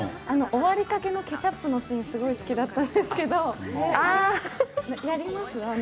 終わりかけのケチャップのシーン、好きだったんですけど。